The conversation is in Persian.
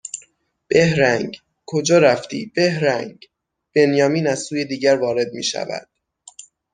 بِهرنگ؟ کجا رفتی؟ بِهرنگ؟ بنیامین از سوی دیگر وارد میشود